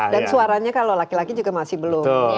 dan suaranya kalau laki laki juga masih belum